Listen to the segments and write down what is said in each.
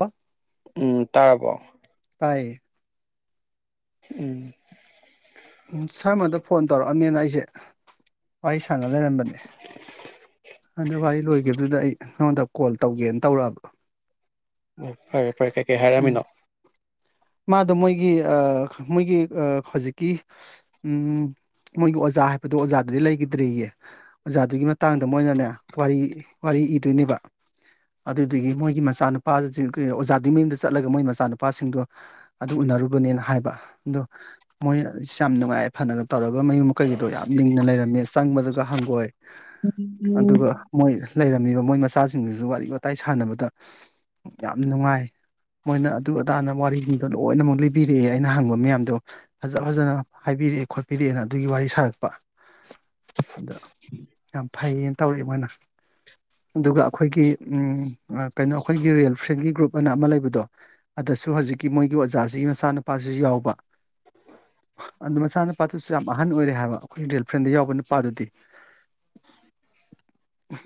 ꯑꯣ [inaudible] ꯎꯝ ꯇꯥꯔꯕꯣ ꯇꯥꯏꯌꯦ ꯎꯝ ꯎꯝ ꯁꯥꯔꯃꯗ ꯐꯣꯟ ꯇꯧꯔꯛꯑꯃꯦꯅ ꯑꯩꯁꯦ ꯋꯥꯔꯤ ꯁꯥꯟꯅ ꯂꯩꯔꯝꯕꯅꯦ ꯑꯗꯨ ꯋꯥꯔꯤ ꯂꯣꯏꯈꯤꯕꯗꯨꯗ ꯑꯩ ꯅꯉꯣꯟꯗ ꯀꯣꯜ ꯇꯧꯒꯦꯅ ꯇꯧꯔꯛꯑꯕ ꯑꯣ ꯐꯔꯦ ꯐꯔꯦ ꯀꯩꯀꯩ ꯎꯝ ꯍꯥꯏꯔꯝꯃꯤꯅꯣ ꯃꯥꯗꯣ ꯃꯣꯏꯒꯤ ꯑꯥ ꯃꯣꯏꯒꯤ ꯑꯥ ꯍꯧꯖꯤꯛꯀꯤ ꯎꯝ ꯃꯣꯏꯒꯤ ꯑꯣꯖꯥ ꯍꯥꯏꯕꯗꯣ ꯑꯣꯖꯥꯗꯨꯗꯤ ꯂꯩꯈꯤꯗ꯭ꯔꯦꯌꯦ ꯑꯣꯖꯥꯗꯨꯒꯤ ꯃꯇꯥꯡꯗ ꯃꯣꯏꯅꯅꯦ ꯋꯥꯔꯤ ꯋꯥꯔꯤ ꯏꯗꯣꯏꯅꯦꯕ ꯑꯗꯨꯏꯗꯨꯒꯤ ꯃꯣꯏꯒꯤ ꯃꯆꯥꯅꯨꯄꯥ ꯑꯣꯖꯥꯗꯨꯒꯤ ꯃꯌꯨꯝꯗ ꯆꯠꯂꯒ ꯃꯣꯏ ꯃꯆꯥꯅꯨꯄꯥꯁꯤꯡꯗꯣ ꯑꯗꯨ ꯎꯅꯔꯨꯕꯅꯦꯅ ꯍꯥꯏꯕ ꯑꯗꯣ ꯃꯣꯏꯁ ꯌꯥꯝ ꯅꯨꯡꯉꯥꯏ ꯌꯥꯢꯐꯅꯒ ꯇꯧꯔꯒ ꯃꯌꯨꯝ ꯃꯀꯩꯒꯗꯣ ꯌꯥꯝ ꯂꯤꯡꯅ ꯂꯩꯔꯝꯃꯦ ꯆꯪꯕꯗꯒ ꯍꯪꯒꯣꯏ ꯑꯗꯨꯒ ꯃꯣꯏ ꯂꯩꯔꯝꯃꯤꯕ ꯃꯣꯏ ꯃꯆꯥꯁꯤꯡꯗꯨꯁꯨ ꯋꯥꯔꯤ ꯋꯥꯇꯥꯏ ꯁꯥꯟꯅꯕꯗ ꯌꯥꯝ ꯅꯨꯡꯉꯥꯏ ꯃꯣꯏꯅ ꯑꯗꯨ ꯑꯗꯥꯅ ꯋꯥꯔꯤ ꯃꯤꯗꯣ ꯂꯣꯏꯅꯃꯛ ꯂꯤꯕꯤꯔꯛꯑꯦ ꯑꯩꯅ ꯍꯪꯕ ꯃꯌꯥꯝꯗꯣ ꯐꯖ ꯐꯖꯅ ꯍꯥꯏꯕꯤꯔꯛꯑꯦ ꯈꯣꯠꯄꯤꯔꯛꯑꯦꯅ ꯑꯗꯨꯒꯤ ꯋꯥꯔꯤ ꯁꯥꯔꯛꯄ ꯑꯗ ꯌꯥꯝ ꯐꯩꯌꯦꯅ ꯇꯧꯔꯛꯑꯦ ꯃꯣꯏꯅ ꯑꯗꯨꯒ ꯑꯩꯈꯣꯏꯒꯤ ꯎꯝ ꯀꯩꯅꯣ ꯑꯩꯈꯣꯏꯒꯤ ꯔꯤꯜ ꯐ꯭ꯔꯦꯟꯒꯤ ꯒ꯭ꯔꯨꯞ ꯑꯅ ꯑꯃ ꯂꯩꯕꯗꯣ ꯑꯗꯨꯗꯁꯨ ꯍꯧꯖꯤꯛ ꯀꯤ ꯃꯣꯏꯒꯤ ꯑꯣꯖꯥꯁꯤꯒꯤ ꯃꯆꯥ ꯅꯨꯨꯄꯥꯁꯤꯁꯨ ꯌꯥꯎꯕ ꯑꯗꯨ ꯃꯆꯥꯅꯨꯄꯥꯗꯨꯁꯨ ꯌꯥꯝ ꯑꯍꯟ ꯑꯣꯏꯔꯦ ꯍꯥꯏꯕ ꯑꯩꯈꯣꯏꯒꯤ ꯔꯤ ꯐ꯭ꯔꯦꯟꯗ ꯌꯥꯎꯕ ꯅꯨꯄꯥꯗꯨꯗꯤ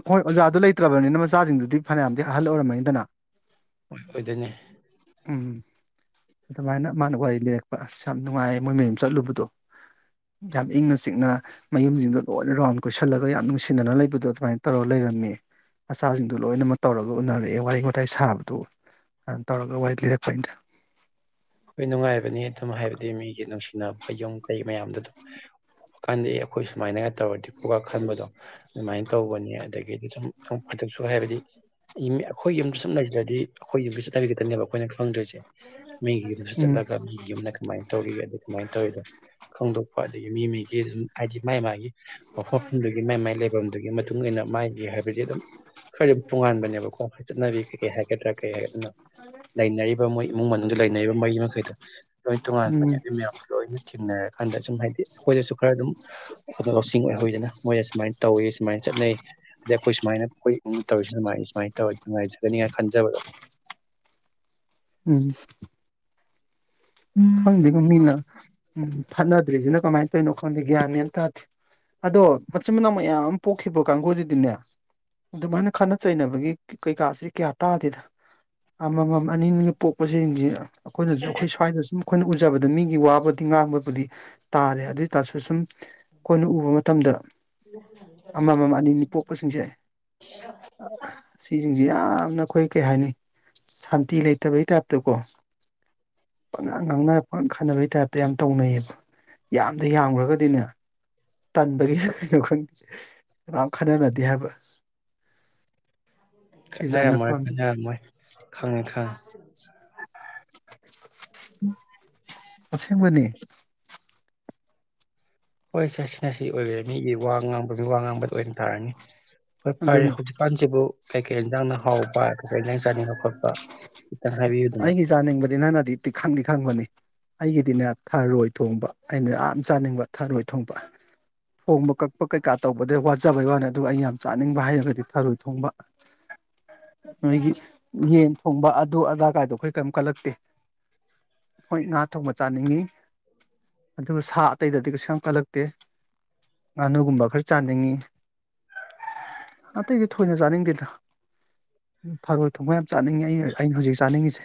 ꯍꯣꯏ ꯑꯣꯖꯥꯗꯨ ꯂꯩꯇ꯭ꯔꯕꯅꯤꯅ ꯃꯆꯥꯁꯤꯡꯗꯨꯗꯤ ꯐꯅꯌꯥꯝꯗꯤ ꯑꯍꯜ ꯑꯣꯏꯔꯝꯃꯅꯤꯗꯅ ꯍꯣ ꯑꯣꯏꯗꯣꯏꯅꯦ ꯎꯝ ꯑꯗꯨꯃꯥꯏꯅ ꯃꯥꯅ ꯋꯥꯔꯤ ꯂꯤꯔꯛꯄ ꯑꯁ ꯌꯥꯝ ꯅꯨꯡꯉꯥꯏ ꯃꯣꯏ ꯃꯌꯨꯝ ꯆꯠꯂꯨꯕꯗꯣ ꯌꯥꯝ ꯏꯪꯅ ꯆꯤꯛꯅ ꯃꯌꯨꯝꯁꯤꯡꯗꯣ ꯂꯣꯏꯅ ꯔꯥꯎꯟ ꯀꯣꯏꯁꯤꯜꯂꯒ ꯌꯥꯝ ꯅꯨꯡꯁꯤꯅꯅ ꯂꯩꯕꯗꯣ ꯑꯗꯨꯃꯥꯏꯅ ꯇꯧꯔꯒ ꯂꯩꯔꯝꯃꯦ ꯃꯆꯥꯁꯤꯡꯗꯣ ꯂꯣꯏꯅꯃꯛ ꯇꯧꯔꯒ ꯎꯅꯔꯛꯑꯦ ꯋꯥꯔꯤ ꯋꯥꯇꯥꯏ ꯁꯥꯕꯗꯨ ꯑꯗꯨ ꯇꯧꯔꯒ ꯋꯥꯔꯤ ꯂꯤꯔꯛꯄꯅꯤꯗ ꯑꯩ ꯅꯨꯡꯉꯥꯏꯕꯅꯦ ꯑꯗꯨꯝ ꯍꯥꯏꯕꯗꯤ ꯃꯤꯒꯤ ꯅꯨꯡꯁꯤꯅꯕ ꯌꯨꯝ ꯀꯩ ꯃꯌꯥꯝꯗꯣ ꯑꯗꯨꯝ ꯎꯕ ꯀꯥꯟꯗ ꯑꯩꯈꯣꯏ ꯁꯨꯃꯥꯏꯅꯒ ꯇꯧꯔꯗꯤꯀꯣꯒ ꯈꯟꯕꯗꯣ ꯑꯗꯨꯃꯥꯏꯅ ꯇꯧꯕꯅꯤ ꯑꯗꯒꯤꯗꯤ ꯁꯨꯝ ꯑꯗꯨꯛꯁꯨ ꯍꯥꯏꯕꯗꯤ ꯑꯩꯌꯨ ꯑꯩꯈꯣꯏ ꯌꯨꯝ ꯁꯨꯝ ꯂꯩꯇ꯭ꯔꯗꯤ ꯑꯩꯈꯣꯏ ꯌꯨꯝꯒꯤ ꯆꯠꯕꯤ ꯈꯇꯅꯦꯕ ꯑꯩꯈꯣꯏꯅ ꯈꯪꯗꯣꯏꯁꯦ ꯃꯤꯒꯤ ꯎꯝ ꯆꯠꯂꯒ ꯃꯤ ꯌꯨꯝꯅ ꯀꯃꯥꯏ ꯇꯧꯔꯤ ꯑꯗꯨ ꯀꯃꯥꯏ ꯇꯧꯔꯤꯗꯣ ꯐꯣꯡꯗꯣꯛꯄꯗꯤ ꯃꯤ ꯃꯤꯒꯤ ꯑꯗꯨꯝ ꯍꯥꯏꯗꯤ ꯃꯥꯏ ꯃꯥꯒꯤ ꯃꯐꯝꯗꯨꯗꯒꯤ ꯃꯥꯏ ꯃꯥꯏ ꯂꯩꯐꯝꯗꯨꯒꯤ ꯃꯇꯨꯡꯏꯟꯅ ꯃꯥꯥꯏꯒꯤ ꯍꯥꯏꯕꯗꯤ ꯑꯗꯨꯝ ꯈꯔꯗꯤ ꯇꯣꯉꯥꯟꯕꯅꯦꯕꯀꯣ ꯆꯠꯅꯕꯤ ꯀꯩ ꯀꯩ ꯍꯥꯏꯒꯇꯗ꯭ꯔ ꯀꯩ ꯍꯥꯏꯒꯗꯝꯅꯣ ꯂꯩꯅꯔꯤꯕ ꯃꯣꯏ ꯏꯃꯨꯡ ꯃꯅꯨꯡꯗ ꯂꯩꯅ ꯃꯩ ꯃꯈꯩꯗ ꯂꯣꯏ ꯇꯣꯉꯥꯟꯕꯅꯦ ꯎꯝ ꯑꯗꯨ ꯃꯌꯥꯝꯁꯨ ꯂꯣꯏꯅꯤ ꯊꯦꯡꯅꯔꯀꯥꯟꯗ ꯁꯨꯝ ꯍꯥꯏꯗꯤ ꯑꯩꯈꯣꯏꯗꯁꯨ ꯈꯔ ꯑꯗꯨꯝ ꯂꯧꯁꯤꯡ ꯑꯣꯏꯍꯧꯗꯅ ꯃꯣꯏꯗ ꯁꯨꯃꯥꯏꯅ ꯇꯧꯋꯤ ꯁꯨꯃꯥꯏꯅ ꯆꯠꯅꯩ ꯑꯗꯩ ꯑꯩꯈꯣꯏ ꯁꯨꯃꯥꯏꯅ ꯑꯩꯈꯣꯏ ꯏꯃꯨꯡꯗ ꯇꯧꯔꯤꯁꯤ ꯁꯃꯥꯏ ꯁꯨꯃꯥꯏꯅ ꯇꯧꯔ ꯅꯨꯡꯉꯥꯏꯖꯒꯅꯤ ꯍꯥꯏꯅ ꯈꯟꯖꯕꯗꯣ ꯎꯝ ꯈꯪꯗꯦ ꯃꯤꯅꯤꯅ ꯎꯝ ꯐꯠꯅꯗ꯭ꯔꯤꯁꯤꯅ ꯀꯃꯥꯏꯅ ꯇꯧꯔꯤꯅꯣ ꯈꯪꯗꯦ ꯒ꯭ꯌꯥꯟꯅꯦꯅ ꯇꯥꯗꯦ ꯑꯗꯣ ꯃꯆꯤꯟ ꯃꯅꯥꯎ ꯃꯌꯥꯝ ꯑꯃ ꯄꯣꯛꯈꯤꯕ ꯀꯥꯡꯒꯗꯨꯗꯤꯅꯦ ꯑꯗꯨꯃꯥꯏꯅ ꯈꯠꯅ ꯆꯩꯅꯕꯒꯤ ꯀꯩꯀꯥꯁꯤ ꯀꯌꯥ ꯇꯥꯗꯦꯗ ꯑꯃꯃꯝ ꯑꯅꯤ ꯄꯣꯛꯄꯁꯤꯡꯁꯤ ꯑꯩꯈꯣꯏꯅꯁꯨ ꯑꯩꯈꯣꯏ ꯁ꯭ꯋꯥꯏꯗ ꯁꯨꯝ ꯑꯩꯅ ꯎꯖꯕꯗ ꯃꯤꯒꯤ ꯋꯥꯕꯨꯗꯤ ꯉꯥꯡꯕꯕꯨꯗꯤ ꯇꯥꯔꯦ ꯑꯗꯨ ꯑꯣꯏꯇꯥꯔꯁꯨ ꯁꯨꯝ ꯑꯩꯈꯣꯏꯅ ꯎꯕ ꯃꯇꯝꯗ ꯑꯃꯃꯝ ꯑꯅꯤꯅꯤ ꯄꯣꯛꯄꯁꯤꯡꯁꯦ ꯁꯤꯁꯤꯡꯁꯦ ꯌꯥꯝ ꯌꯥꯝꯅ ꯑꯩꯈꯣꯏ ꯀꯩ ꯍꯥꯏꯅꯤ ꯁꯥꯟꯇꯤ ꯂꯩꯇꯕꯩ ꯇꯥꯏꯞꯇꯀꯣ [unintelligible] ꯈꯟꯅꯕꯒꯤ ꯇꯥꯏꯞꯇ ꯌꯥꯝ ꯇꯧꯅꯩꯌꯦꯕ ꯌꯥꯝꯗꯤ ꯌꯥꯝꯈ꯭ꯔꯒꯗꯤꯅꯦ ꯇꯟꯕꯒꯤ ꯀꯩꯅꯣ ꯈꯪꯗꯦ ꯀꯅꯥꯝ ꯈꯟꯅꯅꯗꯦ ꯍꯥꯏꯕ ꯁꯤꯁꯦ ꯈꯠꯅꯔꯝꯃꯣꯏ ꯑꯉꯛꯄ ꯑꯃꯅꯤ ꯈꯠꯅꯔꯝꯃꯣꯏ ꯈꯪꯉꯦ ꯈꯪꯉꯦ [unintelligible] ꯑꯁꯦꯡꯕꯅꯦ ꯍꯣꯏ ꯁꯤ ꯁꯤꯅ ꯁꯤ ꯑꯣꯏꯈꯔꯦ ꯃꯤꯒꯤ ꯋꯥ ꯉꯥꯡꯕ ꯃꯤ ꯋꯥ ꯉꯥꯡꯕꯗ ꯑꯣꯏꯅ ꯇꯥꯔꯅꯤ ꯍꯣꯏ ꯐꯔꯦ ꯑꯗꯨꯅꯤ ꯍꯧꯖꯤꯛꯀꯥꯟꯁꯤꯕꯨ ꯀꯩꯀꯩ ꯌꯦꯟꯖꯥꯡꯅ ꯍꯥꯎꯕ ꯀꯩꯀꯩ ꯏꯟꯖꯥ ꯆꯥꯅꯤꯡꯕ ꯈꯣꯠꯄ ꯈꯤꯇꯪ ꯍꯥꯏꯕꯤꯌꯨꯗꯅ ꯑꯩꯒꯤ ꯆꯥ ꯅꯤꯡꯕꯗꯤ ꯅꯪꯅꯗꯤ ꯈꯪꯗꯤ ꯈꯪꯕꯅꯤ ꯑꯩꯒꯤꯗꯤꯅꯦ ꯊꯔꯣꯏ ꯊꯣꯡꯕ ꯑꯩꯅ ꯌꯥꯝ ꯆꯥꯅꯤꯡꯕ ꯊꯔꯣꯏ ꯊꯣꯡꯕ ꯊꯣꯡꯕ ꯀꯛꯄ ꯀꯩꯀꯥ ꯇꯧꯕꯗꯩ ꯋꯥꯖꯕꯩ ꯋꯥꯅꯤ ꯑꯗꯨꯒ ꯑꯩ ꯌꯥꯝ ꯆꯥꯅꯤꯡꯕ ꯍꯥꯏꯩꯔꯒꯗꯤ ꯊꯔꯣꯏ ꯊꯣꯡꯕ ꯅꯣꯏꯒꯤ ꯌꯦꯟ ꯊꯣꯡꯕ ꯑꯗꯨ ꯑꯗꯥ ꯀꯥꯏꯗꯣ ꯑꯩꯈꯣꯏ ꯀꯔꯤꯝ ꯀꯜꯂꯛꯇꯦ ꯍꯣꯏ ꯉꯥ ꯊꯣꯡꯕ ꯆꯥꯅꯤꯡꯉꯤ ꯑꯗꯨꯒ ꯁꯥ ꯑꯇꯩꯗꯗꯤ ꯀꯩꯁꯨ ꯌꯥꯝ ꯀꯜꯂꯛꯇꯦ ꯉꯥꯅꯨꯒꯨꯝꯕ ꯈꯔ ꯆꯥꯅꯤꯡꯉꯤ ꯑꯇꯩꯗꯤ ꯊꯣꯏꯅ ꯆꯥꯅꯤꯡꯗꯦꯗꯅ ꯊꯔꯣꯏ ꯊꯣꯡꯕ ꯌꯥꯝ ꯆꯥꯅꯤꯡꯉꯤ ꯑ ꯑꯩꯅ ꯍꯧꯖꯤꯛ ꯆꯥꯅꯤꯡꯉꯤꯁꯦ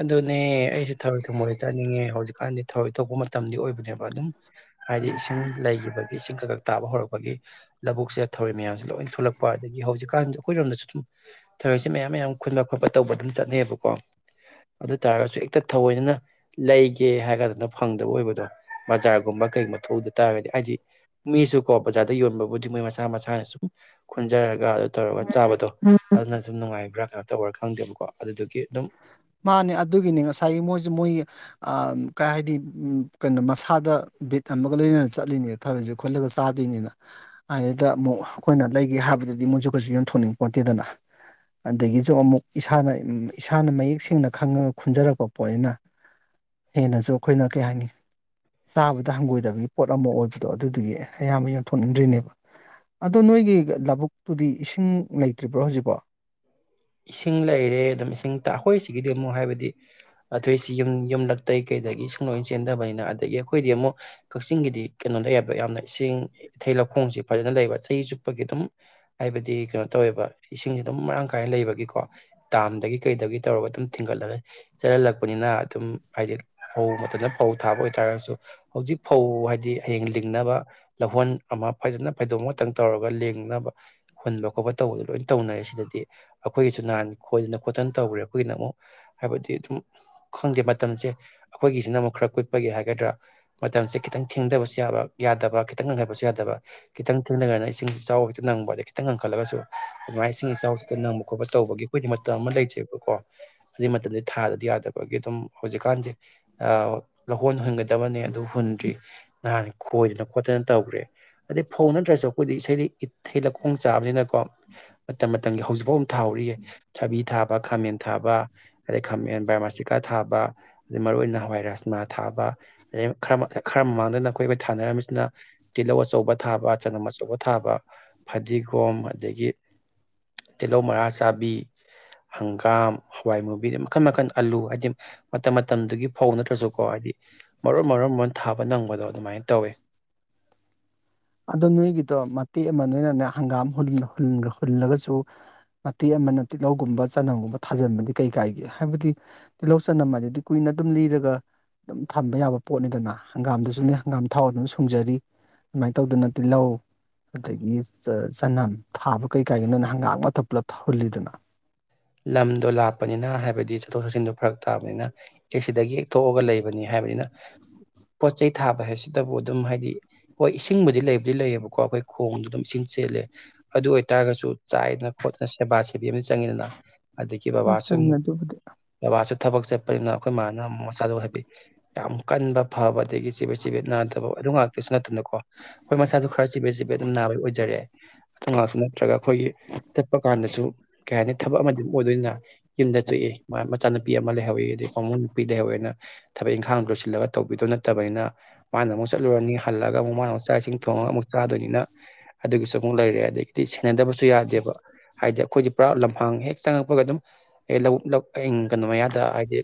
ꯑꯗꯨꯅꯦ ꯑꯩꯁꯨ ꯊꯔꯣꯏ ꯊꯣꯡꯕ ꯑꯣꯏ ꯆꯥꯅꯤꯡꯉꯦ ꯍꯧꯖꯤꯛꯀꯥꯟꯗꯤ ꯊꯔꯣꯏ ꯇꯣꯛꯄ ꯃꯇꯝꯗꯤ ꯑꯣꯏꯕꯅꯦꯕ ꯑꯗꯨꯝ ꯍꯥꯏꯗꯤ ꯎꯝ ꯏꯁꯤꯡ ꯂꯩꯒꯤꯕ ꯗꯒꯤ ꯏꯁꯤꯡ ꯀꯛꯀꯛ ꯇꯥꯕ ꯍꯧꯔꯛꯄꯒꯤ ꯂꯧꯕꯨꯛꯁꯤꯗ ꯊꯧꯔꯣꯏ ꯃꯌꯥꯝꯁꯦ ꯂꯣꯏ ꯊꯣꯛꯂꯛꯄ ꯑꯗꯒꯤ ꯍꯧꯖꯤꯛꯀꯥꯟ ꯑꯩꯈꯣꯏꯔꯣꯝꯗꯁꯨ ꯑꯗꯨꯝ ꯊꯧꯔꯣꯏꯁꯦ ꯃꯌꯥꯝ ꯃꯌꯥꯝ ꯈꯨꯟꯕ ꯈꯣꯠꯄ ꯇꯧꯕ ꯑꯗꯨꯝ ꯆꯠꯅꯩꯌꯦꯕꯀꯣ ꯑꯗꯨ ꯇꯥꯔꯒꯁꯨ ꯍꯦꯛꯇ ꯊꯑꯣꯏꯅꯅ ꯂꯩꯒꯦ ꯍꯥꯏꯒꯗꯅ ꯐꯪꯗꯕ ꯑꯣꯏꯕꯗꯣ ꯕꯖꯥꯔꯒꯨꯝꯕ ꯀꯩꯒꯨꯝꯕ ꯊꯣꯛꯗ ꯇꯥꯔꯒꯗꯤ ꯍꯥꯏꯗꯤ ꯃꯤꯁꯨꯀꯣ ꯕꯖꯥꯔꯗ ꯌꯣꯟꯕꯕꯨꯗꯤ ꯃꯣꯏ ꯃꯁꯥ ꯃꯁꯥꯅ ꯁꯨꯝ ꯈꯨꯟꯖꯔꯒ ꯑꯗꯨ ꯇꯧꯔꯒ ꯆꯥꯕꯗꯣ ꯑꯗꯨꯅ ꯁꯨꯝ ꯅꯨꯡꯉꯥꯏꯕ꯭ꯔꯥ ꯀꯩꯅꯣ ꯇꯧꯕ꯭ꯔꯥ ꯈꯪꯗꯦꯕꯀꯣ ꯑꯗꯨꯗꯨꯒꯤ ꯑꯗꯨꯝ ꯃꯥꯅꯦ ꯑꯗꯨꯒꯤꯅꯤ ꯉꯁꯥꯏꯒꯤ ꯃꯣꯏꯁꯨ ꯃꯣꯏ ꯑ ꯀꯩ ꯍꯥꯏꯗꯤ ꯎ ꯀꯩꯅꯣ ꯃꯁꯥꯗ ꯕꯤꯠ ꯑꯃꯒ ꯂꯣꯏꯅꯅ ꯆꯠꯂꯤꯅꯦ ꯊꯔꯣꯏꯁꯦ ꯈꯨꯠꯂꯒ ꯆꯥꯗꯣꯏꯅꯤꯅ ꯑꯗꯨꯗ ꯑꯃꯨꯛ ꯑꯩꯈꯣꯏꯅ ꯂꯩꯒꯦ ꯍꯥꯏꯕꯗꯗꯤ ꯃꯣꯏꯁꯨ ꯀꯩꯁꯨ ꯌꯊꯣꯛꯅꯤꯡ ꯄꯣꯠꯇꯦꯗꯅ ꯑꯗꯒꯤꯁꯨ ꯑꯃꯨꯛ ꯏꯁꯥꯅ ꯏꯁꯥꯅ ꯃꯌꯦꯛ ꯁꯦꯡꯅ ꯈꯪꯉꯒ ꯈꯨꯟꯖꯔꯛꯄ ꯄꯣꯠꯅꯤꯅ ꯍꯦꯟꯅꯁꯨ ꯑꯩꯈꯣꯏꯅ ꯀꯩ ꯍꯥꯏꯅꯤ ꯆꯥꯕꯗ ꯍꯪꯒꯣꯏꯗꯕꯒꯤ ꯄꯣꯠ ꯑꯃ ꯑꯣꯏꯕꯗꯣ ꯑꯗꯨꯗꯨꯒꯤ ꯑꯌꯥꯝꯕ ꯌꯟꯊꯣꯛꯅꯤꯡꯗ꯭ꯔꯤꯅꯦꯕ ꯑꯗꯣ ꯅꯣꯏꯒꯤ ꯂꯧꯕꯨꯛꯇꯨꯗꯤ ꯏꯁꯤꯡ ꯂꯩꯇ꯭ꯔꯤꯕ꯭ꯔꯣ ꯍꯧꯖꯤꯛꯐꯧ ꯏꯁꯤꯡ ꯂꯩꯔꯦ ꯑꯗꯨꯝ ꯏꯁꯤꯡ ꯑꯩꯈꯣꯏꯁꯤꯒꯤꯗꯤ ꯑꯃꯨꯛ ꯍꯥꯏꯕꯗꯤ ꯑꯇꯩꯁꯤ ꯌꯨꯝ ꯌꯨꯝꯂꯇꯩ ꯀꯩꯗꯒꯤ ꯏꯁꯤꯡ ꯂꯣꯏꯅ ꯆꯦꯟꯗꯕꯅꯤꯅ ꯑꯗꯒꯤ ꯑꯩꯈꯣꯏꯗꯤ ꯑꯃꯨꯛ ꯀꯛꯆꯤꯡꯒꯤꯗꯤ ꯀꯩꯅꯣ ꯂꯩꯌꯦꯕ ꯌꯥꯝꯅ ꯏꯁꯤꯡ ꯏꯊꯦꯜ ꯂꯧꯈꯣꯡꯁꯤ ꯐꯖꯅ ꯂꯩꯕ ꯆꯍꯤ ꯆꯨꯞꯄꯒꯤ ꯑꯗꯨꯝ ꯍꯥꯏꯕꯗꯤ ꯀꯩꯅꯣ ꯇꯧꯋꯦꯕ ꯏꯁꯤꯡꯁꯤ ꯑꯗꯨꯝ ꯃꯔꯥꯡ ꯀꯥꯏꯅ ꯂꯩꯕ ꯀꯣ ꯇꯥꯝꯗꯒꯤ ꯀꯩꯗꯒꯤ ꯇꯧꯔꯒ ꯑꯗꯨꯝ ꯊꯤꯡꯒꯠꯂꯒ ꯆꯠꯍꯜꯂꯛꯄꯅꯤꯅ ꯑꯗꯨꯝ ꯍꯥꯏꯗꯤ ꯐꯧ ꯃꯇꯝꯗ ꯐꯧ ꯊꯥꯕ ꯑꯣꯏꯇꯥꯔꯒꯁꯨ ꯍꯧꯖꯤꯛ ꯐꯧ ꯍꯥꯏꯗꯤ ꯍꯌꯦꯡ ꯂꯤꯡꯅꯕ ꯂꯧꯍꯣꯟ ꯑꯃ ꯐꯖꯅ ꯐꯩꯗꯣꯛ ꯈꯇꯪ ꯇꯧꯔꯒ ꯂꯦꯡꯅꯕ ꯍꯨꯟꯕ ꯈꯣꯠꯄ ꯇꯧꯕꯗꯣ ꯂꯣꯏ ꯇꯧꯅꯔꯦ ꯁꯤꯗꯗꯤ ꯑꯩꯈꯣꯏꯒꯤꯁꯨ ꯅꯍꯥꯟ ꯈꯣꯏꯗꯅ ꯈꯣꯠꯇꯅ ꯇꯧꯈ꯭ꯔꯦ ꯑꯩꯈꯣꯏꯒꯤꯅ ꯑꯃꯨꯛ ꯍꯥꯏꯕꯗꯤ ꯑꯗꯨꯝ ꯈꯪꯗꯦ ꯃꯇꯝꯁꯦ ꯑꯩꯈꯣꯏꯒꯤꯁꯤꯅ ꯑꯃꯨꯛ ꯈꯔ ꯀꯨꯠꯄꯒꯤ ꯍꯥꯏꯒꯗ꯭ꯔꯥ ꯃꯇꯝꯁꯦ ꯈꯤꯇꯪ ꯊꯦꯡꯗꯕꯁꯨ ꯌꯥꯕ ꯌꯥꯗꯕ ꯇ ꯇꯛꯅ ꯍꯥꯏꯥꯏꯕꯁꯨ ꯌꯥꯗꯕ ꯈꯤꯇꯪ ꯊꯦꯡꯅꯔꯅ ꯏꯁꯤꯡ ꯏꯆꯥꯎꯁꯤ ꯍꯦꯛꯇ ꯅꯪꯕ ꯈꯤꯇꯪ ꯉꯪꯈꯠꯂꯒꯁꯨ ꯑꯗꯨꯃꯥꯏꯅ ꯏꯁꯤꯡ ꯏꯆꯥꯎꯁꯤꯛꯇ ꯅꯪꯕ ꯈꯣꯠꯄ ꯇꯧꯕꯒꯤ ꯑꯩꯈꯣꯏꯗꯤ ꯃꯇꯝ ꯑꯃ ꯂꯩꯖꯦꯕꯀꯣ ꯑꯗꯨꯩ ꯃꯇꯝꯗꯨ ꯊꯥꯗꯗꯤ ꯌꯥꯗꯕꯒꯤ ꯑꯗꯨꯝ ꯍꯧꯖꯤꯛꯀꯥꯟꯁꯦ ꯂꯧꯍꯣꯟ ꯍꯨꯟꯒꯗꯕꯅꯦ ꯑꯗꯨ ꯍꯨꯟꯗ꯭ꯔꯤ ꯅꯍꯥꯟ ꯈꯣꯏꯗꯅ ꯈꯣꯠꯇꯅ ꯇꯧꯈ꯭ꯔꯦ ꯑꯗꯩ ꯐꯧ ꯅꯠꯇ꯭ꯔꯁꯨ ꯑꯩꯈꯣꯏꯗꯤ ꯏꯁꯩꯗꯤ ꯏꯊꯩ ꯂꯧꯈꯣꯡ ꯆꯥꯕꯅꯤꯅꯀꯣ ꯃꯇꯝ ꯃꯇꯝꯒꯤ ꯍꯧꯖꯤꯛꯐꯥꯎ ꯊꯥꯍꯧꯔꯤꯌꯦ ꯊꯕꯤ ꯊꯥꯕ ꯈꯥꯃꯦꯟ ꯊꯥꯕ ꯑꯗꯩ ꯈꯥꯃꯦꯟ ꯕꯥꯔꯃꯥꯁꯤꯀꯥ ꯊꯥꯕ ꯑꯗꯩ ꯃꯔꯨꯏ ꯑꯣꯏꯅ ꯍꯋꯥꯏ ꯔꯖꯃꯥ ꯊꯥꯕ ꯑꯗꯩꯔ ꯈꯔ ꯃꯃꯥꯡꯗꯅ ꯑꯩꯈꯣꯏꯈꯣꯏ ꯊꯥꯅꯔꯝꯃꯤꯁꯤꯅ ꯇꯤꯜꯍꯧ ꯑꯆꯧꯕ ꯊꯥꯕ ꯆꯅꯝ ꯑꯆꯧꯕ ꯊꯥꯕ ꯐꯗꯤꯒꯣꯝ ꯑꯗꯒꯤ ꯇꯤꯜ ꯂꯧ ꯃꯔꯥ ꯆꯥꯕꯤ ꯍꯪꯒꯥꯝ ꯍꯋꯥꯏ ꯃꯨꯕꯤꯗ ꯃꯈꯟ ꯃꯈꯟ ꯑꯂꯨ ꯍꯥꯏꯕꯗꯤ ꯃꯇꯝ ꯃꯇꯝꯗꯨꯒꯤ ꯐꯧ ꯅꯠꯇ꯭ꯔꯁꯨꯀꯣ ꯍꯥꯏꯗꯤ ꯃꯔꯨꯞ ꯃꯔꯨꯝ ꯃꯔꯣꯟ ꯊꯥꯕ ꯅꯪꯕꯗꯣ ꯑꯗꯨꯃꯥꯏꯅ ꯇꯧꯋꯤ ꯑꯗꯣ ꯅꯣꯏꯒꯤꯗꯣ ꯃꯇꯦꯛ ꯑꯃ ꯅꯣꯏꯅꯅꯦ ꯍꯪꯒꯥꯝ ꯍꯨꯜꯂꯒꯁꯨ ꯃꯇꯦꯛ ꯑꯃꯅ ꯇꯤꯜꯍꯧꯒꯨꯝꯕ ꯆꯅꯝꯒꯨꯝꯕ ꯊꯥꯖꯤꯟꯕꯗꯤ ꯀꯩ ꯀꯥꯏꯒꯦ ꯍꯥꯏꯕꯗꯤ ꯇꯤꯜꯍꯧ ꯆꯅꯝ ꯑꯗꯨꯗꯤ ꯀꯨꯏꯅ ꯑꯗꯨꯝ ꯂꯤꯔꯒ ꯑꯗꯨꯝ ꯊꯝꯕ ꯌꯥꯕ ꯄꯣꯠꯅꯤꯗꯅ ꯍꯪꯒꯥꯝꯗꯨꯁꯨꯅꯦ ꯍꯪꯒꯥꯝ ꯊꯥꯎ ꯑꯗꯨꯝ ꯁꯨꯡꯖꯔꯤ ꯑꯗꯨꯃꯥꯏ ꯇꯧꯗꯅ ꯇꯤꯜꯍꯧ ꯑꯗꯒꯤ ꯆꯅꯝ ꯊꯥꯕ ꯀꯩꯀꯥꯏꯒꯤꯅꯣꯅ ꯍꯪꯒꯥꯥꯡ ꯃꯥꯛꯊꯛ ꯄꯨꯜꯂꯞ ꯍꯨꯜꯂꯤꯗꯅ ꯂꯝꯗꯣ ꯂꯥꯞꯄꯅꯤꯅ ꯍꯥꯏꯕꯗꯤ ꯆꯠꯊꯣꯛ ꯆꯠꯁꯤꯟꯗꯣ ꯐꯔꯛ ꯇꯥꯕꯤꯅ ꯑꯦ ꯁꯤꯗꯒꯤ ꯊꯣꯛꯑꯒ ꯂꯩꯕꯅꯤ ꯍꯥꯏꯕꯅꯤꯅ ꯄꯣꯠ ꯆꯩꯩ ꯊꯥꯕ ꯍꯥꯏꯕꯁꯤꯗꯕꯨ ꯑꯗꯨꯝ ꯍꯥꯏꯗꯤ ꯍꯣꯏ ꯏꯁꯤꯡꯕꯨꯗꯤ ꯂꯩꯕꯨꯗꯤ ꯂꯩꯌꯦꯕꯀꯣ ꯑꯩꯈꯣꯏ ꯈꯣꯡꯗ ꯑꯗꯨꯝ ꯏꯁꯤꯡ ꯆꯦꯜꯂꯦ ꯑꯗꯨ ꯑꯣꯏꯇꯥꯔꯒꯖꯨ ꯆꯥꯏꯗꯅ ꯈꯣꯠꯇꯅ ꯁꯦꯕꯥ꯫ ꯊꯤꯕꯤ ꯑꯃ ꯆꯪꯉꯤꯗꯅ ꯑꯗꯨꯗꯒꯤ ꯍꯣꯏ ꯕꯕꯥꯁꯤ ꯆꯨꯝꯃꯦ ꯑꯃꯨꯛ ꯑꯗꯨꯕꯨꯗꯤ ꯕꯥꯕꯥ ꯃꯥꯁꯄ ꯊꯕꯛ ꯆꯠꯄꯅꯤꯅ ꯑꯩꯈꯣꯏ ꯃꯥꯅ ꯃꯁꯥꯗꯨ ꯍꯥꯏꯗꯤ ꯌꯥꯝ ꯀꯟꯕ ꯐꯕ ꯑꯗꯒꯤ ꯆꯤꯕꯦꯠ ꯆꯤꯕꯦꯠ ꯅꯥꯗꯕ ꯑꯗꯨ ꯉꯥꯛꯇꯁꯨ ꯅꯠꯇꯅꯀꯣ ꯍꯣꯏ ꯃꯁꯥꯁꯨ ꯈꯔ ꯆꯤꯕꯦꯠ ꯆꯤꯕꯦꯠ ꯑꯗꯨꯝ ꯅꯥꯕ ꯑꯣꯏꯖꯔꯦ ꯑꯗꯨ ꯉꯥꯛꯁꯨ ꯃꯨꯛ ꯅꯠꯇ꯭ꯔꯒ ꯑꯩꯈꯣꯏꯒꯤ ꯆꯠꯄ ꯀꯥꯟꯗꯁꯨ [unintelligible] ꯊꯕꯛ ꯑꯃꯗꯤ ꯑꯣꯏꯗꯣꯏꯅꯤꯅ ꯌꯨꯝꯗ ꯊꯣꯛꯑꯦ ꯃꯥ ꯃꯆꯥꯅꯨꯄꯤ ꯑꯃ ꯂꯩꯍꯧꯋꯦ ꯑꯗꯩ ꯃꯃꯧ ꯅꯨꯄꯤ ꯂꯩꯍꯧꯋꯦꯅ ꯊꯕꯛ ꯏꯪꯈꯥꯡ ꯂꯣꯏꯁꯤꯜꯂꯒ ꯇꯧꯕꯤꯗꯣ ꯅꯠꯇꯕꯅꯤꯅ ꯃꯥꯅ ꯑꯃꯨꯛ ꯆꯠꯂꯨꯔꯅꯤ ꯍꯜꯂꯒ ꯑꯃꯨꯛ ꯃꯥꯅ ꯑꯃꯨꯛ ꯆꯥꯛ ꯏꯁꯤꯡ ꯊꯣꯡꯉꯒ ꯑꯃꯨꯛ ꯆꯥꯗꯣꯏꯅꯤꯅ ꯑꯗꯨꯒꯤꯁꯨ ꯑꯃꯨꯛ ꯂꯩꯔꯦ ꯑꯗꯒꯤꯗꯤ ꯁꯦꯟꯅꯗꯕꯁꯨ ꯌꯥꯗꯦꯕ ꯍꯥꯏꯗꯤ ꯑꯩꯈꯣꯏꯗꯤ ꯄꯨꯔꯥ ꯂꯝ ꯍ ꯍꯦꯛ ꯆꯪꯉꯛꯄꯒ ꯑꯗꯨꯝ ꯂꯧꯕꯨꯛ ꯂꯧ ꯀꯩꯅꯣ ꯃꯌꯥꯗ ꯍꯥꯏꯗꯤ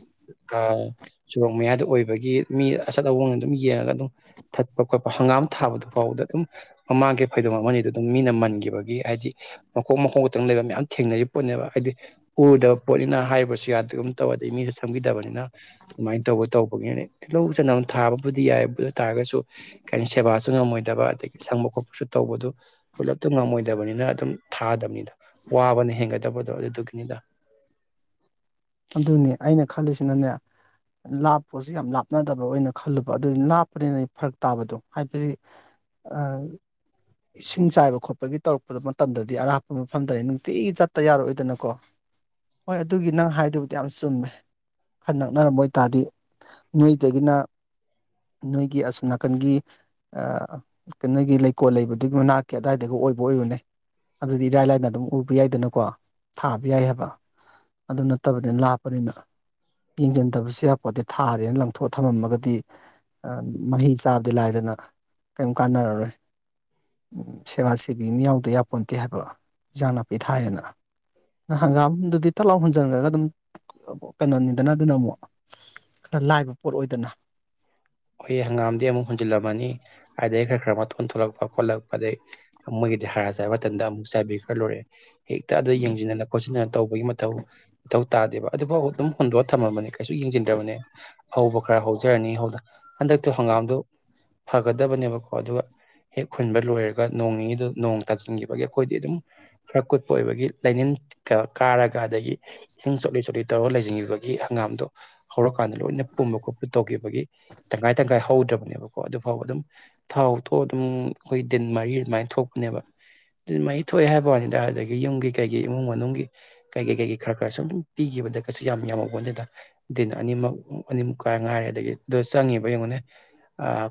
ꯁꯣꯔꯣꯛ ꯃꯌꯥꯗ ꯑꯣꯏꯕꯒꯤ ꯃꯤ ꯑꯆꯠ ꯑꯋꯣꯡꯅ ꯑꯗꯨꯝ ꯌꯦꯡꯉꯒ ꯑꯗꯨꯝ ꯊꯠꯄ ꯈꯣꯠꯄ ꯍꯪꯒꯥꯝ ꯊꯥꯕꯗꯨ ꯐꯥꯎꯕꯗ ꯑꯗꯨꯝ ꯃꯃꯥꯡꯒꯤ ꯐꯩꯗꯣꯝ ꯑꯃꯅꯤꯗ ꯑꯗꯨꯝ ꯃꯤꯅ ꯃꯟꯈꯤꯕꯒꯤ ꯍꯥꯏꯗꯤ ꯃꯈꯣꯛ ꯃꯈꯣꯡ ꯈꯛꯇꯪ ꯂꯩꯕ ꯃꯌꯥꯝ ꯊꯦꯡꯅꯔꯤꯕ ꯄꯣꯠꯅꯦꯕ ꯍꯥꯏꯗꯤ ꯎꯗꯕ ꯄꯣꯠꯅꯤꯅ ꯍꯥꯏꯔꯁꯨ ꯌꯥꯗꯒꯨꯝ ꯇꯧ ꯑꯗꯩ ꯃꯤꯁꯨ ꯁꯪꯕꯤꯗꯕꯅꯤꯅ ꯑꯗꯨꯃꯥꯏꯅ ꯇꯧꯕ ꯇꯧꯕꯒꯤꯅ ꯇꯤꯜꯍꯧ ꯆꯅꯝ ꯊꯥꯕꯕꯨꯗꯤ ꯌꯥꯏ ꯑꯗꯨ ꯑꯣꯏ ꯇꯥꯔꯒꯁꯨ ꯀꯩ ꯁꯦꯕꯥꯁꯨ ꯉꯝꯃꯣꯏꯗꯕ ꯑꯗꯒꯤ ꯁꯪꯕ ꯈꯣꯠꯄꯁꯨ ꯇꯧꯕꯗꯨ ꯄꯨꯂꯞꯇ ꯉꯝꯃꯣꯏꯗꯕꯅꯤꯅ ꯑꯗꯨꯝ ꯊꯥꯗꯕꯅꯤꯅ ꯋꯥꯕꯅ ꯍꯦꯟꯒꯠ ꯇꯧꯕꯨ ꯇꯧꯔꯗꯤ ꯑꯗꯨꯒꯤꯅꯤꯗ ꯑꯗꯨꯅꯦ ꯑꯩꯅ ꯈꯜꯂꯤꯁꯤꯅꯅꯦ ꯂꯥꯞꯄꯁꯨ ꯌꯥꯝ ꯂꯥꯞꯅꯗꯕ ꯑꯣꯏꯅ ꯈꯜꯂꯨꯕ ꯑꯗꯨ ꯂꯥꯞꯄꯅꯤꯅ ꯑꯩ ꯐꯔꯛ ꯇꯥꯕꯗꯣ ꯍꯥꯏꯕꯗꯤ ꯑ ꯏꯁꯤꯡ ꯆꯥꯏꯕ ꯈꯣꯠꯄꯒꯤ ꯇꯧꯔꯛꯄꯗ ꯃꯇꯝꯗꯗꯤ ꯑꯔꯥꯞꯄ ꯃꯐꯝꯗꯅꯤ ꯅꯨꯡꯇꯤꯒꯤ ꯆꯠꯇ ꯌꯥꯔꯣꯏꯗꯅꯀꯣ ꯍꯣꯏ ꯑꯗꯨꯒꯤ ꯅꯪ ꯍꯥꯏꯗꯨꯕꯨꯗꯤ ꯌꯥꯝ ꯆꯨꯝꯃꯦ ꯈꯟ ꯅꯛꯅꯔꯝꯕ ꯑꯣꯏꯇꯥꯥꯔꯗꯤ ꯅꯣꯏꯗꯒꯤꯅ ꯅꯣꯏꯒꯤ ꯑꯁꯨꯝ ꯅꯥꯀꯟꯒꯤ ꯅꯣꯏꯒꯤ ꯂꯩꯀꯣꯜ ꯂꯩꯕꯗꯨ ꯑꯗꯨꯛ ꯃꯅꯥꯛꯀꯤ ꯑꯗꯨꯋꯥꯏꯗꯒ ꯑꯣꯏꯕ ꯑꯣꯏꯌꯨꯅꯦ ꯑꯗꯨꯗꯤ ꯏꯔꯥꯏ ꯂꯥꯏꯅ ꯑꯗꯨꯝ ꯎꯕ ꯌꯥꯏꯗꯅꯀꯣ ꯊꯥꯕ ꯌꯥꯏ ꯍꯥꯏꯕ ꯑꯗꯨ ꯅꯠꯇꯕꯅꯤꯅ ꯂꯥꯞꯄꯅꯤꯅ ꯌꯦꯡꯁꯤꯟꯗꯕꯁꯨ ꯌꯥ ꯍꯥꯏꯄꯣꯠꯇꯗꯤ ꯊꯥꯔꯦꯅ ꯂꯪꯊꯣꯛꯑ ꯊꯝꯃꯝꯃꯒꯗꯤ ꯃꯍꯩ ꯆꯥꯕꯗꯤ ꯂꯥꯏꯗꯅ ꯀꯩꯝ ꯀꯥꯟꯅꯔꯔꯣꯏ ꯁꯦꯕꯥ ꯁꯦꯕꯤ ꯃꯤ ꯌꯥꯎꯗ ꯌꯥꯄꯣꯟꯇꯦ ꯍꯥꯏꯕ ꯏꯟꯖꯥꯡ ꯅꯥꯄꯤ ꯊꯥꯏꯌꯦꯅ꯫ ꯍꯒꯥꯡ ꯑꯗꯨꯗꯤ ꯇ ꯂꯥꯎ꯫ ꯍꯣꯟꯖꯔꯒ ꯑꯗꯨꯝ ꯀꯩꯅꯣꯅꯤꯗꯅ ꯑꯗꯨꯅ ꯑꯃꯨꯛ ꯈꯔ ꯂꯥꯏꯕ ꯄꯣꯠ ꯑꯣꯏꯗꯅ ꯍꯦ ꯍꯪꯒꯥꯝꯗꯤ ꯑꯃꯨꯛ ꯍꯨꯟꯖꯤꯜꯂꯝꯃꯅꯤ ꯑꯗꯩ ꯈꯔ ꯈꯔ ꯃꯇꯣꯟ ꯊꯣꯛꯂꯛꯄ ꯈꯣꯠꯂꯛꯄ ꯑꯗꯩ ꯃꯣꯏꯒꯤꯗꯤ ꯍꯥꯔ ꯆꯥꯏꯕ ꯃꯇꯝꯗ ꯑꯃꯨꯛ ꯆꯥꯏꯕꯤ ꯒꯔꯥ ꯂꯣꯏꯔꯦ ꯍꯦꯛꯇ ꯑꯗꯨ ꯌꯦꯡꯖꯟꯅ ꯈꯣꯁꯤꯟꯅ ꯇꯧꯕꯒꯤ ꯃꯊꯧ ꯃꯊꯧ ꯇꯥꯗꯦꯕ ꯑꯗꯨꯐꯥꯎ ꯑꯗꯨꯝ ꯍꯨꯟꯗꯣꯔꯑꯒ ꯊꯝꯃꯝꯕꯅꯤ ꯀꯩꯁꯨ ꯌꯦꯡꯁꯤꯟꯗ꯭ꯔꯕꯅꯦ ꯍꯧꯕ ꯈꯔ ꯍꯧꯖꯔꯅꯤ ꯍꯧꯖ ꯍꯟꯗꯛꯇꯣ ꯍꯪꯒꯥꯝꯗꯣ ꯐꯒꯗꯕꯅꯦꯕꯀꯣ ꯑꯗꯨꯒ ꯍꯦꯛ ꯈꯨꯨꯟꯕ ꯂꯣꯏꯔꯒ ꯅꯣꯡꯅꯤꯅꯤꯗꯨ ꯅꯣꯡ ꯇꯥꯁꯤꯟꯈꯤꯕꯒꯤ ꯑꯩꯈꯣꯏꯗꯤ ꯑꯗꯨꯝ ꯈꯔ ꯀꯨꯠꯄ ꯑꯣꯏꯕꯒꯤ ꯂꯩꯅꯤꯟ ꯀꯥꯔꯒ ꯑꯗꯒꯤ ꯏꯁꯤꯡ ꯆꯣꯠꯂꯤ ꯆꯣꯠꯂꯤ ꯇꯧꯔꯒ ꯂꯩ꯫ ꯆꯤꯡꯉꯤꯕꯒꯤ ꯍꯪꯒꯥꯝꯗꯣ ꯍꯧꯔꯛꯀꯥꯟꯗ ꯂꯣꯏꯅ ꯄꯨꯝꯕ ꯈꯣꯠꯄ ꯇꯧꯒꯤꯕꯒꯤ ꯇꯪꯈꯥꯏ ꯇꯪꯈꯥꯏ ꯍꯧꯗ꯭ꯔꯕꯅꯦꯕꯀꯣ ꯑꯗꯨꯐꯥꯎꯕ ꯑꯗꯨꯝ ꯊꯥꯎ ꯗꯣ ꯑꯗꯨꯝ ꯑꯩꯈꯣꯏ ꯗꯤꯟ ꯃꯔꯤ ꯑꯗꯨꯃꯥꯏꯅ ꯊꯣꯛꯄꯅꯦꯕ ꯗꯤꯟ ꯃꯔꯤ ꯊꯣꯛꯑꯦ ꯍꯥꯏꯕ ꯋꯥꯅꯤꯗ ꯑꯗꯨꯗꯒꯤ ꯌꯨꯝꯒꯤ ꯀꯩꯒꯤ ꯏꯃꯨꯡ ꯃꯅꯨꯡꯒꯤ ꯀꯩꯀꯩ ꯀꯩꯀꯩ ꯈꯔ ꯈꯔ ꯁꯨꯝ ꯄꯤꯈꯤꯕꯗ ꯀꯩꯁꯨ ꯌꯥꯝ ꯌꯥꯝꯍꯧꯄꯣꯟꯇꯦꯗ ꯗꯤꯟ ꯑꯅꯤꯃꯛ ꯑꯅꯤꯃꯨꯛ ꯀꯥꯏ ꯉꯥꯏꯔꯦ ꯑꯗꯒꯤ ꯆꯪꯉꯤꯕ ꯌꯦꯡꯉꯨꯅꯦ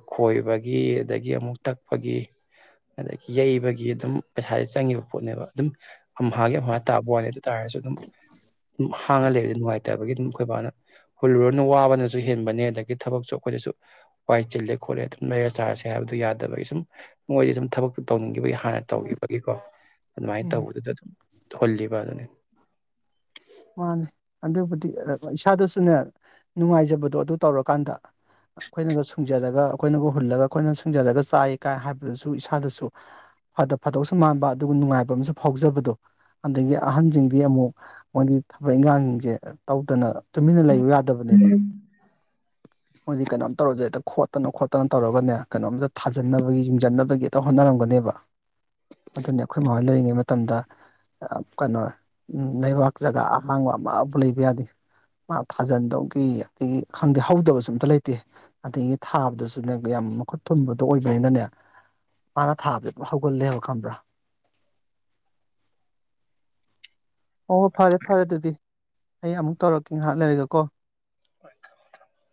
ꯈꯣꯏꯕꯒꯤ ꯑꯗꯒꯤ ꯑꯃꯨꯛ ꯇꯛꯄꯒꯤ ꯑꯗꯒꯤ ꯌꯩꯕꯒꯤ ꯑꯗꯨꯝ ꯄꯩꯁꯥꯗ ꯆꯪꯉꯤꯕ ꯄꯣꯠꯅꯦꯕ ꯑꯗꯨꯝ ꯑꯝ ꯍꯥꯒꯤ ꯑ ꯍꯥ ꯇꯥꯕ ꯋꯥꯅꯤ ꯑꯗꯨ ꯇꯥꯔꯁꯨ ꯑꯗꯨꯝꯝ ꯍꯥꯡꯉ ꯂꯩꯔꯗꯤ ꯅꯨꯡꯉꯥꯏꯇꯕꯒꯤ ꯑꯗꯨꯝ ꯑꯩꯈꯣꯏꯕꯥꯅ ꯍꯨꯜꯂꯨꯔꯅꯣ ꯋꯥꯕꯅꯁꯨ ꯍꯦꯟꯕꯅꯤ ꯑꯗꯒꯤ꯫ ꯊꯕꯛꯁꯨ ꯑꯩꯈꯣꯏꯗꯁꯨ ꯋꯥꯏ ꯆꯤꯜꯂꯦ ꯈꯣꯠꯂꯦ ꯑꯗꯨꯝ ꯂꯩꯔ ꯆꯥꯔꯁꯦ ꯍꯥꯏꯕꯗꯨ ꯌꯥꯗꯕꯒꯤ ꯁꯨꯝ ꯃꯣꯏꯗꯤ ꯁꯨꯝ ꯊꯕꯛ ꯇꯧꯅꯤꯡꯒꯤꯕ ꯍꯥꯟꯅ ꯇꯧꯈꯤꯕꯒꯤꯀꯣ ꯑꯗꯨꯃꯥꯏꯅ ꯎꯝ ꯇꯧꯕꯗꯨꯗ ꯑꯗꯨꯝ ꯍꯨꯜꯂꯤꯕ ꯑꯗꯨꯅꯤ ꯃꯥꯅꯤ ꯑꯗꯨꯕꯨꯗꯤ ꯏꯁꯥꯗꯁꯨꯅꯦ ꯅꯨꯡꯉꯥꯏꯖꯕꯗꯣ ꯑꯗꯨ ꯇꯧꯔꯀꯥꯟꯗ ꯑꯩꯈꯣꯏꯅꯒ ꯁꯨꯡꯖꯔꯒ ꯑꯩꯈꯣꯏꯅꯒ ꯍꯨꯜꯂꯒ ꯑꯩꯈꯣꯏꯅ ꯁꯨꯡꯖꯔꯒ ꯆꯥꯏ ꯀꯥꯏ ꯍꯥꯏꯕꯗꯨꯁꯨ ꯏꯁꯥꯗꯁꯨ ꯐꯗ ꯐꯗꯧꯁꯨ ꯃꯥꯟꯕ ꯑꯗꯨꯒ ꯅꯨꯡꯉꯥꯏꯕ ꯑꯃꯁꯨ ꯐꯥꯎꯖꯕꯗꯣ ꯑꯗꯒꯤ ꯑꯍꯟꯖꯤꯡꯗꯤ ꯑꯃꯨꯛ ꯃꯣꯏꯒꯤ ꯊꯕꯛ ꯏꯪꯈꯥꯡꯁꯤꯡꯁꯦ ꯇꯧꯗꯅ ꯇꯨꯃꯤꯟꯅ ꯂꯩꯕ ꯌꯥꯗꯕꯅꯦꯕ꯫ ꯃꯣꯏꯗꯤ ꯀꯩꯅꯣꯝ ꯇꯧꯔꯖꯨ ꯍꯦꯠꯇ ꯈꯣꯠꯇꯅ ꯈꯣꯠꯇꯅ ꯇꯧꯔꯒꯅꯦ ꯀꯩꯅꯣꯝꯇ ꯊꯥꯖꯟꯅꯕꯒꯤ ꯌꯨꯡꯖꯟꯅꯕꯒꯤ ꯍꯦꯛꯇ ꯍꯣꯠꯅꯔꯝꯒꯅꯦꯕ ꯑꯗꯨꯅꯤ ꯑꯩꯈꯣꯏ ꯃꯥꯅ ꯂꯩꯔꯤꯉꯩ ꯃꯇꯝꯗ ꯀꯩꯅꯣ ꯂꯩꯕꯥꯛ ꯖꯒꯥ ꯑꯍꯥꯡꯕ ꯑꯃꯕꯨ ꯂꯩꯕ ꯌꯥꯗꯦ ꯃꯥ ꯊꯥꯖꯟꯗꯧꯒꯤ ꯑꯗꯒꯤ ꯈꯪꯗꯦ ꯍꯧꯗꯕꯁꯨ ꯑꯨꯝꯇ ꯂꯩꯇꯦ ꯑꯗꯒꯤ ꯊꯥꯕꯗꯖꯨꯅꯦ ꯌꯥꯝ ꯃꯈꯨꯠ ꯊꯨꯝꯕꯗꯣ ꯑꯣꯏꯕꯅꯤꯅꯅꯦ ꯃꯥꯅ ꯊꯥꯕꯁꯦ ꯑꯗꯨꯝ ꯍꯧꯒꯜꯂꯦꯕ ꯈꯪꯕ꯭ꯔꯥ꯫ ꯍꯣ ꯍꯣ ꯐꯔꯦ ꯐꯔꯦ ꯑꯗꯨꯗꯤ꯫ ꯑꯩ ꯑꯃꯨꯛ ꯇꯧꯔꯛꯀꯦ ꯉꯥꯏꯍꯥꯛ ꯂꯩꯔꯒꯀꯣ ꯍꯣꯏ ꯊꯝꯃꯣ ꯊꯝꯃꯣ꯫